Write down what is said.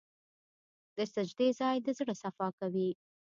د سجدې ځای د زړه صفا کوي.